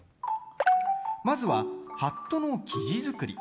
まずは、はっとの生地作り。